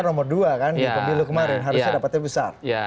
nomor dua kan di pemilu kemarin harusnya dapatnya besar